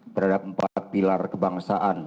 terhadap empat pilar kebangsaan